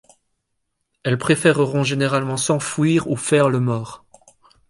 Elles préféreront généralement s'enfuir ou faire le mort.